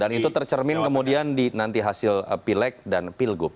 itu tercermin kemudian di nanti hasil pileg dan pilgub